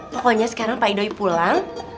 pokoknya sekarang pak idoi pulang